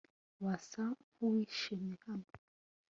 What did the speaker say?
Wasa nkuwishimye hano